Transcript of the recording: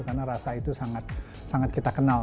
karena rasa itu sangat kita kenal